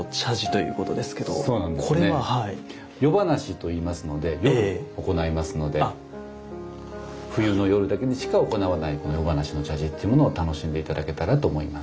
夜咄と言いますので夜行いますので冬の夜だけにしか行わない夜咄の茶事っていうものを楽しんで頂けたらと思います。